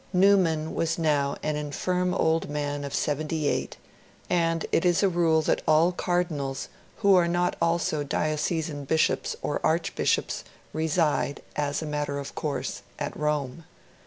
Newman was now an infirm old man of seventy eight; and it is a rule that all Cardinals who are not also diocesan Bishops or Archbishops reside, as a matter of course, at Rome.